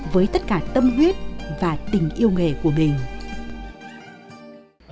với tất cả tâm huyết và tình yêu nghề của mình